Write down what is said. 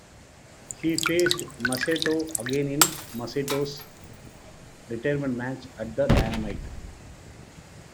He faced Masato again in Masato's retirement match at the Dynamite!!